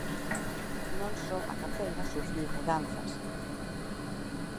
Non só a Capela sufriu mudanzas.